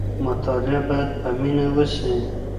مطالعه باید په مینه وسي.